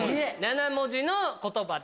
７文字の言葉です。